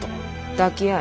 抱き合え。